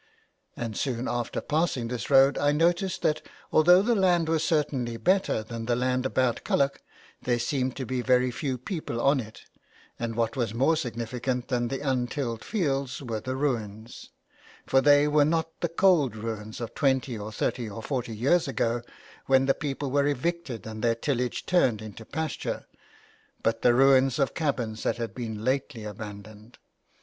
'* And soon after passing this road I noticed that although the land was certainly better than the land about Culloch, there seemed to be very few people on it ; and what was more significant than the untilled fields were the ruins, for they were not the cold ruins of twenty, or thirty, or forty years ago when the people were evicted and their tillage turned into pasture, but the ruins of cabins that had been lately abandoned.